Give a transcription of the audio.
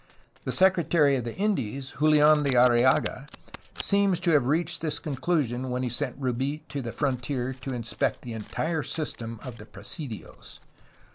The Secretary of the Indies, JuHan de Arriaga, seems to have reached this conclusion when he sent Rubi to the frontier to inspect the entire system of the presidios.